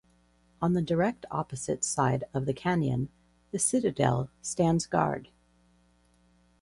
On the direct opposite side of the canyon The Citadel stands guard.